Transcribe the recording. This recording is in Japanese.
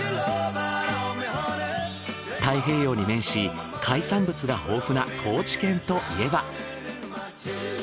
太平洋に面し海産物が豊富な高知県といえば。